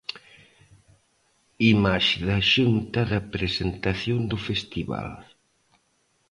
Imaxe da Xunta da presentación do festival.